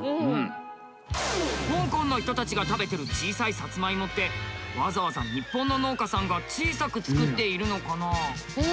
香港の人たちが食べてる小さいさつまいもってわざわざ日本の農家さんが小さく作っているのかな？